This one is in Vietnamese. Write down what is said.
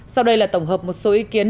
sau đây là tổng hợp một số ý kiến